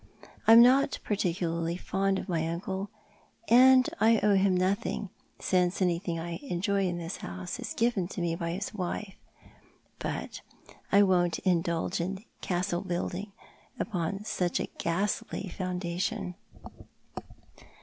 I am not particularly fond of my uncle, and I owe liim nothing, since anything I enjoy in this house is given mo by his wife ; but I won't indulge in castle building upon such a ghastly foundation. 270 Thou art the Man.